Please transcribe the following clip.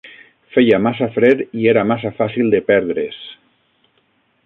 Feia massa fred i era massa fàcil de perdre's